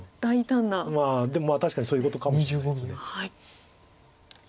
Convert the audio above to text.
まあでも確かにそういうことかもしれないです。